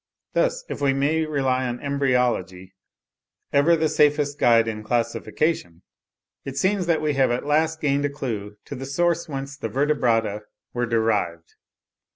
Thus, if we may rely on embryology, ever the safest guide in classification, it seems that we have at last gained a clue to the source whence the Vertebrata were derived.